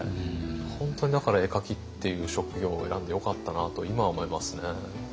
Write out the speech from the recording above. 本当にだから絵描きっていう職業を選んでよかったなと今は思いますね。